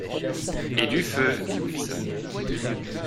Et du feu ? dit Wilson.